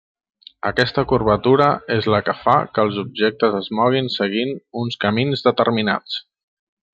Aquesta curvatura és la que fa que els objectes es moguin seguint uns camins determinats.